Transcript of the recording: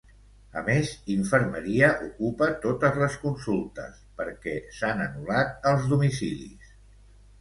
A més, infermeria ocupa totes les consultes, perquè s'han anul·lat els domicilis.